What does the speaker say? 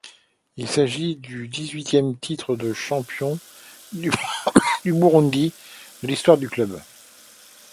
Il s’agit du dix-huitième titre de champion du Burundi de l’histoire du club.